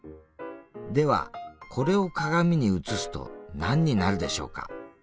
ではこれを鏡に映すと何になるでしょうか？